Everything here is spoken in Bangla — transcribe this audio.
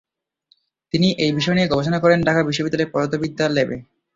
তিনি এই বিষয় নিয়ে গবেষণা করেন ঢাকা বিশ্ববিদ্যালয়ের পদার্থবিদ্যা ল্যাবে।